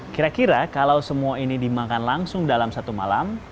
kira kira kalau semua ini dimakan langsung dalam satu malam